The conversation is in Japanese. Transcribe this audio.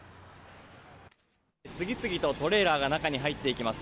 次々とトレーラーが中に入っていきます。